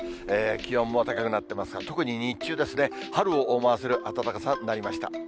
気温も高くなってますが、特に日中ですね、春を思わせる暖かさとなりました。